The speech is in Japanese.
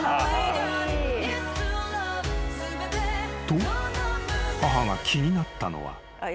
［と母が気になったのは］